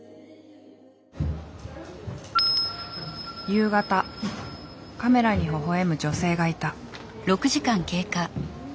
夕方カメラにほほ笑む女性がいた。